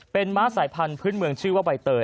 เป็นม้าสายพันธุ์เมืองชื่อว่าใบเตย